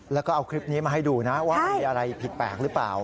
แล้วก็เอาคลิปนี้มาให้ดูนะว่ามีอะไรผิดแปลกหรือเปล่า